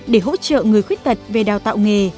để hỗ trợ người khuyết tật về đào tạo nghề